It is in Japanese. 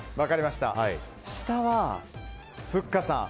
下はふっかさん。